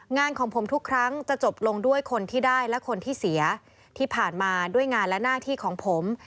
งานของผมทุกครั้งจะจบลงด้วยคนที่ได้และคนที่เสียที่ผ่านมาด้วยงานและหน้าที่ของผม